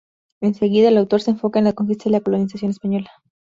Enseguida, el autor se enfoca en la conquista y la colonización española.